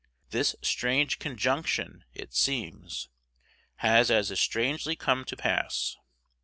This strange conjunction, it seems, has as strangely come to pass.